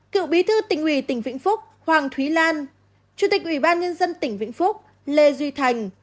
cựu bí thư tỉnh ủy tỉnh vĩnh phúc hoàng thúy lan chủ tịch ủy ban nhân dân tỉnh vĩnh phúc lê duy thành